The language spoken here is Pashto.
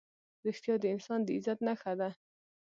رښتیا د انسان د عزت نښه ده.